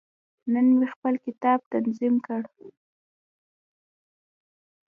نن مې خپل کتاب تنظیم کړ.